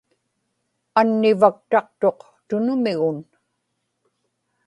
annivaktaqtuq tunumigun